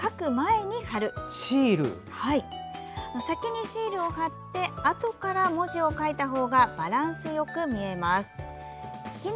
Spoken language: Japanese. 先にシールを貼ってあとから文字を書いたほうがバランスよく見えます。